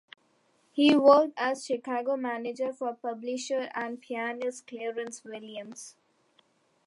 He worked as Chicago manager for publisher and pianist Clarence Williams.